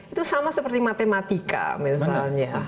itu sama seperti matematika misalnya